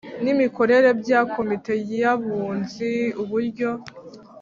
n imikorere bya Komite y Abunzi uburyo